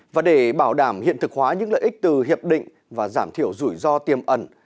và để bảo đảm hiện thực hóa những lợi ích từ hiệp định và giảm thiểu rủi ro tiềm ẩn